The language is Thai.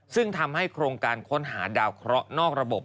ซึ่งทำให้โครงการค้นหาดาวเคราะห์นอกระบบ